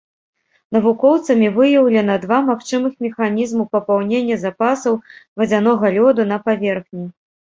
Навукоўцамі выяўлена два магчымых механізму папаўнення запасаў вадзянога лёду на паверхні.